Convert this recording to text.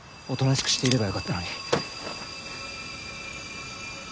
おとなしくしていればよかったのに。